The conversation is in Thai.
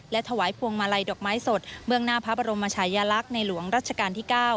ถวายพวงมาลัยดอกไม้สดเบื้องหน้าพระบรมชายลักษณ์ในหลวงรัชกาลที่๙